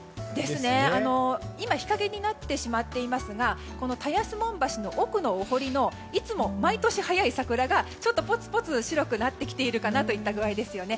今、日陰になってしまっていますが橋の奥のお堀のいつも毎年早い桜がちょっとぽつぽつ白くなってきているかなといった具合ですよね。